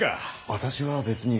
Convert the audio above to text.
私は別に。